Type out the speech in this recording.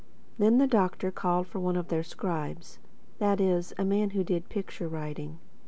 Then the Doctor called for one of their scribes—that is, a man who did picture writing.